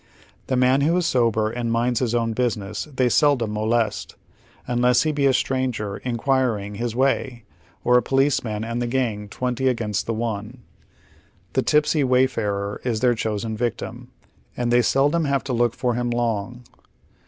The man who is sober and minds his own business they seldom molest, unless he be a stranger inquiring his way, or a policeman and the gang twenty against the one. The tipsy wayfarer is tlteii' diDsen victim, and they eeldom have to look for him long.